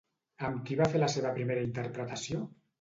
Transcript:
Amb qui va fer la seva primera interpretació?